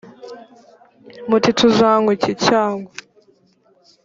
muti tuzanywa iki cyangwa